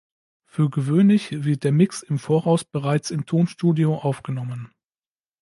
Für gewöhnlich wird der Mix im Voraus bereits im Tonstudio aufgenommen.